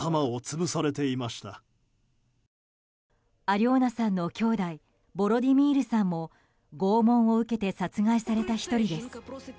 アリョーナさんの兄弟ボロディミールさんも拷問を受けて殺害された１人です。